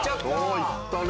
行ったね。